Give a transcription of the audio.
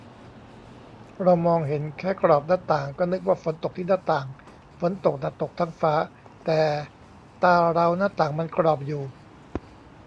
เรามองเห็นแค่กรอบหน้าต่าง ก็นึกว่าฝนตกที่หน้าต่าง ฝนตกน่ะตกทั้งฟ้า แต่ตาเราหน้าต่างมันกรอบอยู่